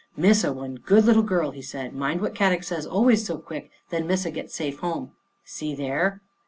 " Missa one good little girl," he said. " Mind what Kadok say always so quick, then Missa get safe home. See there